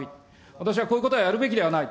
私はこういうことはやるべきではない。